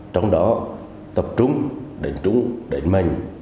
trong đó tập trung đánh trúng đánh mạnh